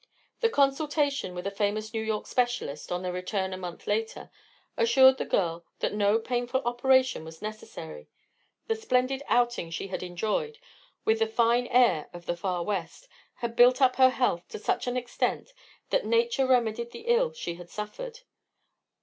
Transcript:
The consultation with a famous New York specialist, on their return a month later, assured the girl that no painful operation was necessary. The splendid outing she had enjoyed, with the fine air of the far West, had built up her health to such an extent that nature remedied the ill she had suffered.